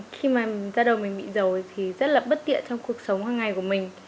khi mà da đầu mình bị dầu thì rất là bất tiện trong cuộc sống hàng ngày của mình